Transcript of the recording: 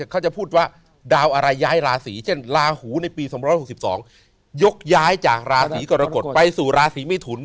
เขาจะพูดว่าดาวอะไรย้ายราศีเช่นลาหูในปี๒๖๒ยกย้ายจากราศีกรกฎไปสู่ราศีมิถุน